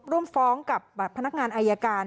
ร่วมฟ้องกับพนักงานอายการ